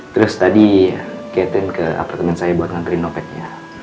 terus tadi catherine ke apartemen saya buat ngangkriin dompetnya